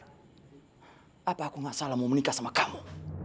apa aku nggak salah mau menikah sama kamu